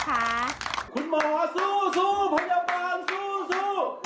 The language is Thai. คุณหมอสู้พยาบาลสู้